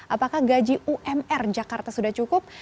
apakah gaji umr jakarta sudah cukup